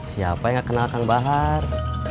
siapa yang gak kenal kang bahar